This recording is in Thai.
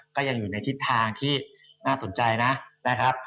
ก็ยังอยู่ในทิศทางที่น่าสนใจนะครับ